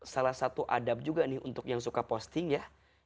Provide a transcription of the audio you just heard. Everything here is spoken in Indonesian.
salah satu adab juga nih untuk yang suka posting ya